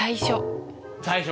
最初？